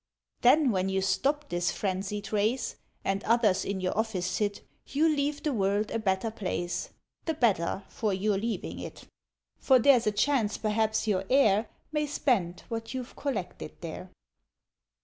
Then, when you stop this frenzied race, And others in your office sit, You'll leave the world a better place, The better for your leaving it! For there's a chance perhaps your heir May spend what you've collected there.